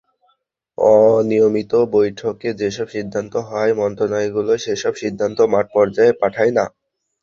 অনিয়মিত বৈঠকে যেসব সিদ্ধান্ত হয়, মন্ত্রণালয়গুলো সেসব সিদ্ধান্ত মাঠ পর্যায়ে পাঠায় না।